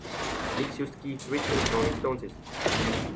Miks just Keith Richards Rolling Stonesist?